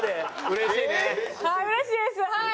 うれしいですはい。